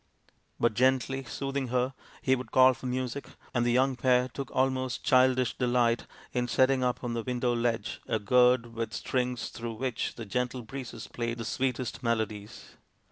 But, gently soothing her, he would call for music, and the young pair took almost childish delight in setting up on the window ledge a gourd with strings through which the gentle breezes played the sweetest melodies.